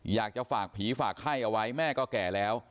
อยากจะฝากผีฝากไข้เอาไว้แม่ก็แก่แล้ว